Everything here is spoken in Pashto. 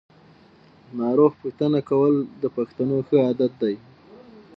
ناروغ پوښتنه کول د پښتنو ښه عادت دی.